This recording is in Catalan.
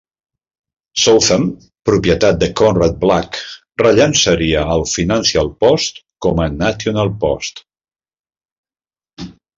Southam, propietat de Conrad Black, rellançaria el "Financial Post" com a "National Post".